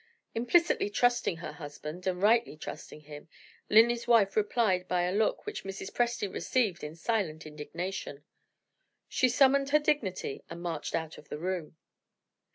Implicitly trusting her husband and rightly trusting him Linley's wife replied by a look which Mrs. Presty received in silent indignation. She summoned her dignity and marched out of the room.